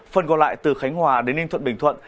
phần còn lại từ khánh hòa đến ninh thuận bình thuận